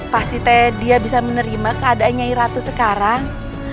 pasti teh dia bisa menerima keadaan nyai ratu sekarang